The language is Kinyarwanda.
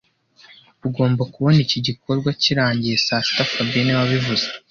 Ugomba kubona iki gikorwa kirangiye saa sita fabien niwe wabivuze